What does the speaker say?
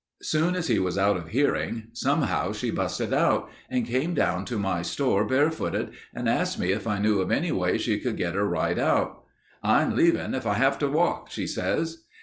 Soon as he was out of hearing, somehow she busted out and came down to my store barefooted and asked me if I knew of any way she could get a ride out. 'I'm leaving, if I have to walk,' she says.